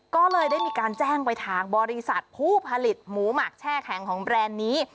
ก็เลยได้มีการแจ้งไปทางบริษัทผู้ผลิตหมูหมักแช่แข็งของแบรนด์นี้